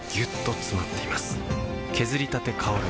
削りたて香る